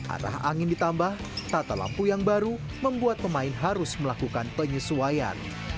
arah angin ditambah tata lampu yang baru membuat pemain harus melakukan penyesuaian